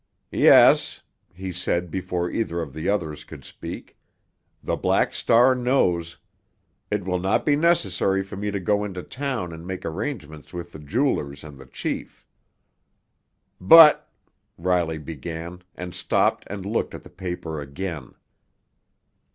"Yes," he said before either of the others could speak, "the Black Star knows. It will not be necessary for me to go into town and make arrangements with the jewelers and the chief." "But——" Riley began, and stopped and looked at the paper again.